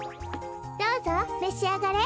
どうぞめしあがれ！